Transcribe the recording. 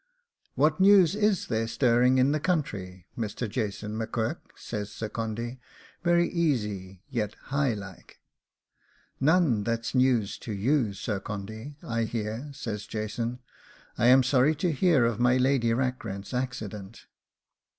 'What news is there stirring in the country, Mr. Jason M'Quirk?' says Sir Condy, very easy, yet high like. 'None that's news to you, Sir Condy, I hear,' says Jason. 'I am sorry to hear of my Lady Rackrent's accident.